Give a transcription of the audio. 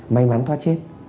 may mắn thoát chết